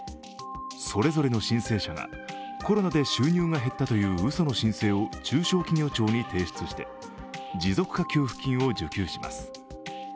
それぞれの申請者がコロナで収入が減ったという、うその申請を中小企業庁に提出して持続化給付金を受給します。